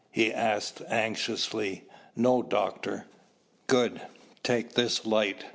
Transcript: he asked anxiously. "No, Doctor." "Good. Take this light.